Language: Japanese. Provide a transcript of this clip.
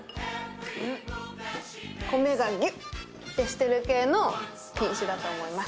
米がギュッてしてる系の品種だと思います。